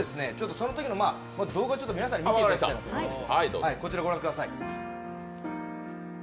そのときの動画を皆さんに見ていただきたいなと思います。